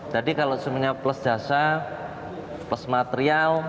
jadi kalau semuanya plus jasa plus material